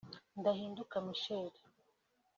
Ndahinduka Michel